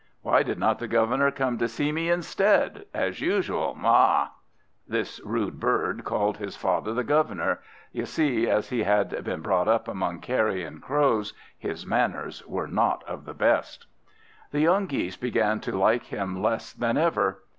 Why did not the Governor come to see me instead, as usual aw?" This rude bird called his father the Governor; you see, as he had been brought up among carrion crows, his manners were none of the best. The young Geese began to like him less than ever.